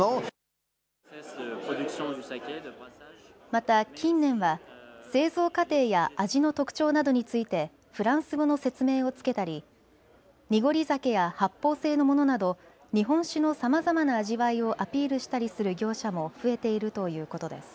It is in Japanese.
また近年は製造過程や味の特徴などについてフランス語の説明をつけたり濁り酒や発泡性のものなど日本酒のさまざまな味わいをアピールしたりする業者も増えているということです。